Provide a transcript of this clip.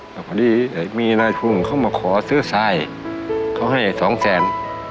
แต่พอดีเหมียนาทูลุงเข้ามาขอซื้อทรายเขาให้๒แสน